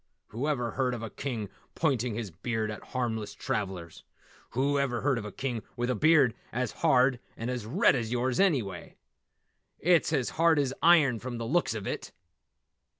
Whoever heard of a King pointing his beard at harmless travellers! Whoever heard of a King with a beard as hard and red as yours, anyway! It's hard as iron from the looks of it."